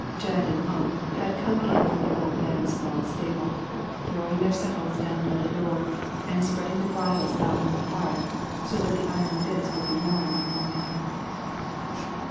Jud and Ump had come in from the old man's log stable, throwing their saddles down by the door and spreading the bridles out on the hearth so that the iron bits would be warm in the morning.